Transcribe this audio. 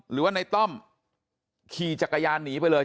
หรือว่าในต้อมขี่จักรยานหนีไปเลย